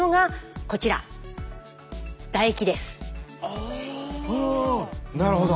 あなるほど。